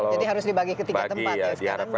jadi harus dibagi ke tiga tempat ya